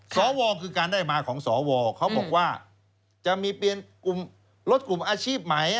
สวคือการได้มาของสวเขาบอกว่าจะมีเปลี่ยนกลุ่มรถกลุ่มอาชีพไหม